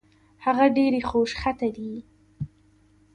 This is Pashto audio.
هغه ډېرې خوشخطه دي